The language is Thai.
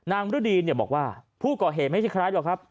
มรุดีบอกว่าผู้ก่อเหตุไม่ใช่ใครหรอกครับ